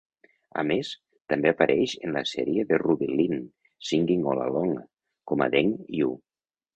A més, també apareix en la sèrie de Ruby Lin "Singing All Along" com a Deng Yu.